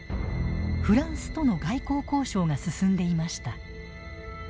フランスとの外交交渉が進んでいました。